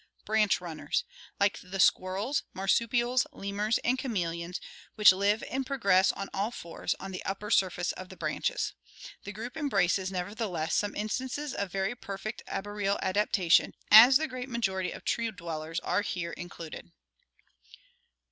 Branch runners, like the squirrels, marsupials, lemurs, and chameleons, which live and progress on all fours on the upper sur face of the branches. The group embraces, nevertheless, some in stances of very perfect arboreal adaptation, as the great majority of tree dwellers are here included.